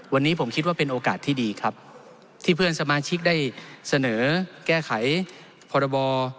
วันนี้ผมคิดว่าเป็นโอกาสที่ดีครับที่เพื่อนสมาชิกได้เสนอแก้ไขพรบ